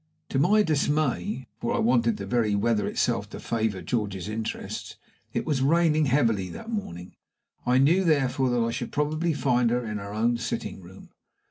To my dismay (for I wanted the very weather itself to favor George's interests), it was raining heavily that morning. I knew, therefore, that I should probably find her in her own sitting room.